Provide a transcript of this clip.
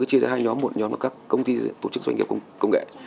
tôi có chia ra hai nhóm một nhóm là các công ty tổ chức doanh nghiệp công nghệ